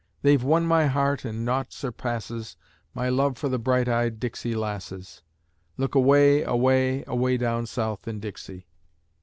They've won my heart and naught surpasses My love for the bright eyed Dixie lasses; Look away, away, away down South in Dixie.